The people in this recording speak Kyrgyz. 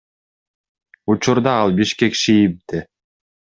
Учурда ал Бишкек ШИИБде.